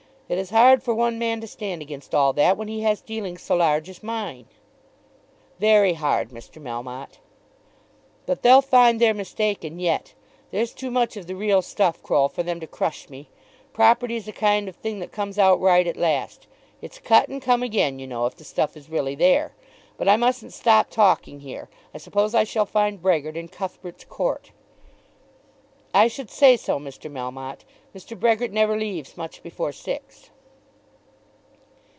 It is hard for one man to stand against all that when he has dealings so large as mine." "Very hard, Mr. Melmotte." "But they'll find they're mistaken yet. There's too much of the real stuff, Croll, for them to crush me. Property's a kind of thing that comes out right at last. It's cut and come again, you know, if the stuff is really there. But I mustn't stop talking here. I suppose I shall find Brehgert in Cuthbert's Court." "I should say so, Mr. Melmotte. Mr. Brehgert never leaves much before six."